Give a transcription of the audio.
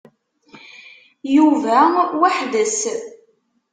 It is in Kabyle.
Yuba weḥd-s.